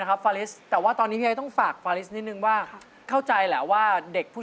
ครับฟาริสแต่ว่าตอนนี้ต้องฝากฟาลิสนิดนึงว่าเข้าใจแล้วว่าเด็กผู้